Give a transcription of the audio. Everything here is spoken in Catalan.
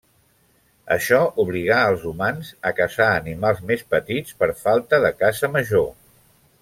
Això obligà als humans a caçar animals més petits per falta de caça major.